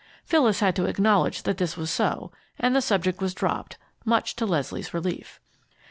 Phyllis had to acknowledge that this was so, and the subject was dropped, much to Leslie's relief.